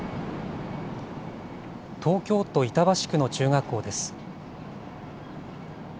東京都板橋区の中学校です。